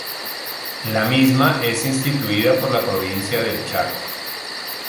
La misma es instituida por la Provincia del Chaco.